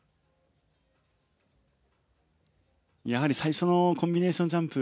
やはり最初のコンビネーションジャンプ